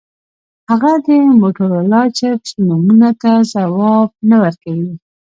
هغه د موټورولا چپس نومونو ته ځواب نه ورکوي